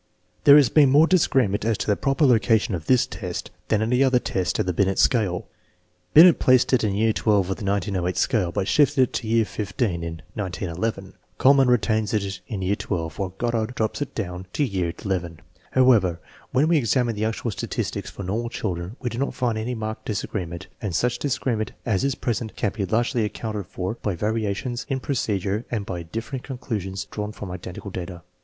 There has been more disagreement as to the proper loca tion of this test than of any other test of the Binet scale. Binet placed it in year XII of the 1908 scale, but shifted it to year XV in 1911. Kuhlmann retains it in year XII, while Goddard drops it down to year XI. However, when we examine the actual statistics for normal children we do not find very marked disagreement, and such disagreement as is present can be largely accounted for by variations in procedure and by differing conclusions drawn from identical data.